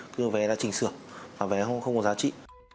cứ vé đã chỉnh sửa và vé không có giá trị